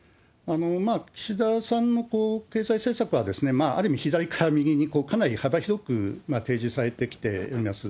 岸田さんの経済政策はある意味、左から右にかなり幅広く提示されてきています。